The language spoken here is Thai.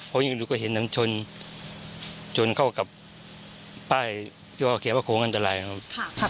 พอยืนดูก็เห็นน้ำชนชนเข้ากับป้ายที่ว่าเขียนว่าโค้งอันตรายครับ